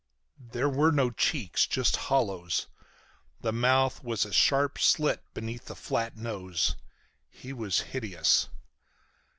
There were no cheeks. Just hollows. The mouth was a sharp slit beneath the flat nose. He was hideous.